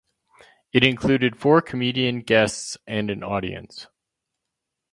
It included four comedian guests and an audience.